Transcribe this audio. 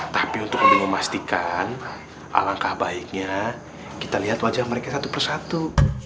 tapi untuk lebih memastikan alangkah baiknya kita lihat wajah mereka satu persatu